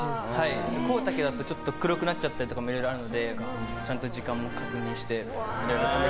コウタケだとちょっと黒くなっちゃったりとかもあるのでちゃんと時間も確認して。